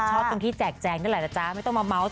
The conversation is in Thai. ชอบตัวที่แจกแจงก็เลยล่ะจ๊ะไม่ต้องมาเมาส์